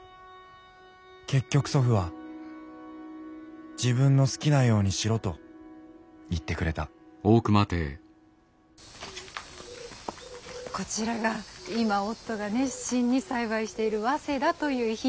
結局祖父は自分の好きなようにしろと言ってくれたこちらが今夫が熱心に栽培している早稲田という品種なんです。